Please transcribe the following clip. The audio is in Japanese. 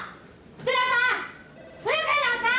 福野さん！！